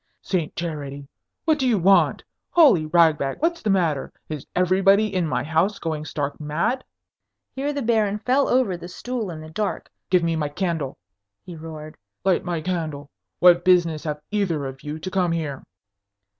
"Saint Charity! What do you want? Holy Ragbag, what's the matter? Is everybody in my house going stark mad?" Here the Baron fell over the stool in the dark. "Give me my candle!" he roared. "Light my candle! What business have either of you to come here?"